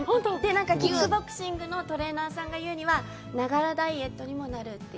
キックボクシングのトレーナーさんが言うには、ながらダイエットにもなるって。